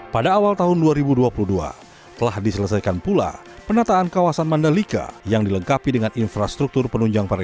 pada awal tahun dua ribu dua puluh dua telah diselesaikan pula penataan kawasan mandalika yang dilengkapi dengan infrastruktur penunjang pariwisata